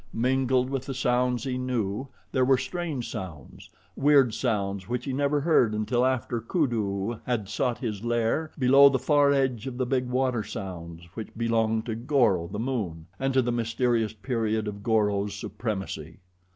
Mingled with the sounds he knew, there were strange sounds weird sounds which he never heard until after Kudu had sought his lair below the far edge of the big water sounds which belonged to Goro, the moon and to the mysterious period of Goro's supremacy.